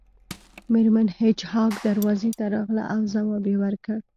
میرمن هیج هاګ دروازې ته راغله او ځواب یې ورکړ